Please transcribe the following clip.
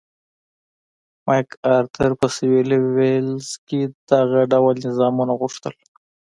مک ارتر په سوېلي ویلز کې دغه ډول نظامونه غوښتل.